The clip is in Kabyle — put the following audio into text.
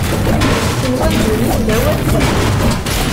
Tenwa ddunit d awal kan.